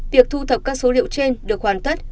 việc thu thập các số liệu trên được hoàn tất